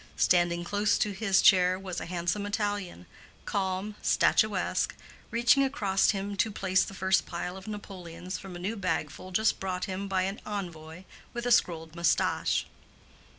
Standing close to his chair was a handsome Italian, calm, statuesque, reaching across him to place the first pile of napoleons from a new bagful just brought him by an envoy with a scrolled mustache.